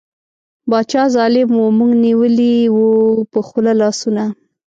باچا ظالیم وو موږ نیولي وو په خوله لاسونه